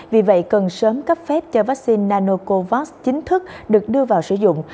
vì vậy cần sớm cấp phép cho vaccine nanocovax chính thức được đưa vào sử dụng